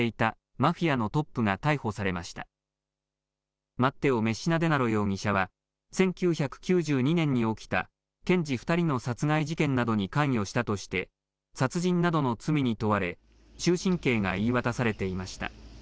マッテオ・メッシナデナロ容疑者は１９９２年に起きた検事２人の殺害事件などに関与したとして殺人などの罪に問われ終身刑が言い渡されていました。